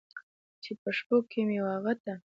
چې په شپو مې و هغه ته!